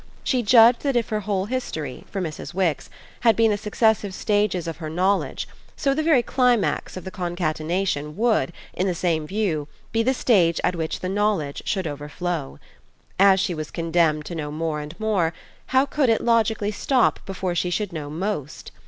She judged that if her whole history, for Mrs. Wix, had been the successive stages of her knowledge, so the very climax of the concatenation would, in the same view, be the stage at which the knowledge should overflow. As she was condemned to know more and more, how could it logically stop before she should know Most?